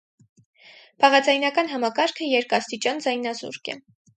Բաղաձայնական համակարգը երկաստիճան ձայնազուրկ է։